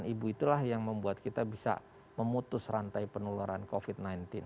ibu itulah yang membuat kita bisa memutus rantai penularan covid sembilan belas